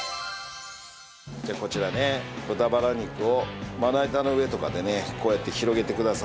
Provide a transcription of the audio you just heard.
じゃあこちらね豚バラ肉をまな板の上とかでねこうやって広げてください。